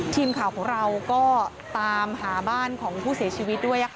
ทีมข่าวของเราก็ตามหาบ้านของผู้เสียชีวิตด้วย